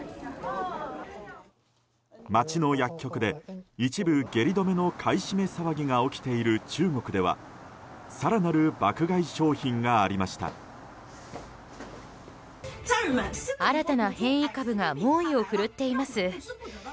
街の薬局で一部、下痢止めの買い占め騒ぎが起きている中国では更なる爆買い商品がありました。